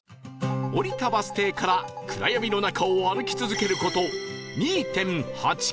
降りたバス停から暗闇の中を歩き続ける事 ２．８ キロ